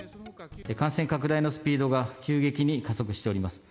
感染拡大のスピードが急激に加速しております。